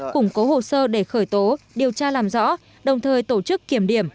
củng cố hồ sơ để khởi tố điều tra làm rõ đồng thời tổ chức kiểm điểm